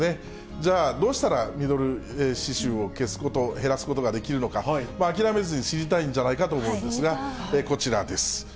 じゃあ、どうしたらミドル脂臭を消すこと、減らすことができるのか、諦めずに知りたいんじゃないかと思うんですが、こちらです。